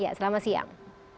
ya selamat siang